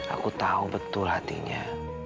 aku tahu betul hatinya